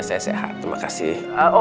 saya sehat terima kasih